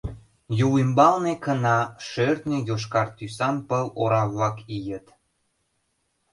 Юл ӱмбалне кына, шӧртньӧ, йошкар тӱсан пыл ора-влак ийыт.